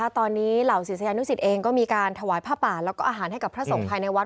ตอนนี้เหล่าศิษยานุสิตเองก็มีการถวายผ้าป่าแล้วก็อาหารให้กับพระสงฆ์ภายในวัด